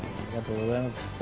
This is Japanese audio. ありがとうございます。